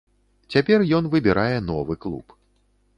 Цяпер ён выбірае новы клуб.